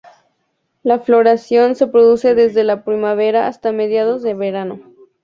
La floración se produce desde la primavera hasta mediados de verano.